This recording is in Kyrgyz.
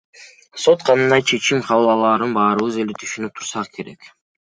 Сот кандай чечим кабыл алаарын баарыбыз эле түшүнүп турсак керек.